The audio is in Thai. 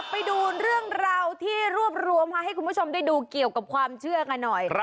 ไปดูเรื่องที่รวนทีที่รวบรวมให้มีด้วยความเชื่อกันหน่อย